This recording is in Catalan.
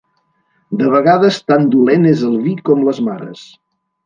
De vegades tan dolent és el vi com les mares.